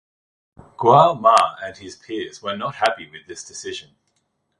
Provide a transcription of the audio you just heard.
Guo Ma and his peers were not happy with this decision.